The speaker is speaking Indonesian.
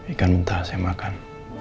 ikan mentah saya makan